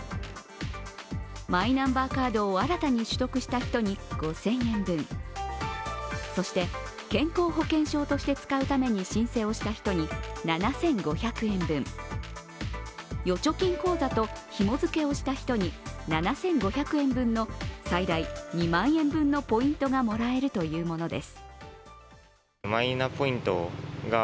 マイナンバーカードを新たに取得した人に５０００円分、そして健康保険証として使うために申請をした人に７５００円分、預貯金口座とひもづけをした人に７５００円分の最大２万円分のポイントがもらえるというものです。